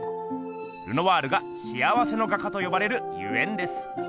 ルノワールが「幸せの画家」とよばれるゆえんです。